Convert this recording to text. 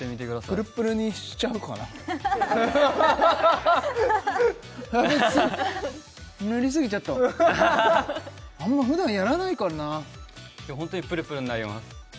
プルップルにしちゃおうかな塗りすぎちゃったあんま普段やらないからなホントにプルプルになります